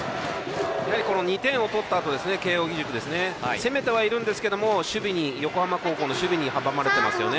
２点を取ったあと慶応義塾攻めてはいるんですけど横浜高校の守備に阻まれています。